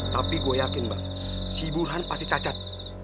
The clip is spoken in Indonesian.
tapi gue yakin bang si burhan pasti cacat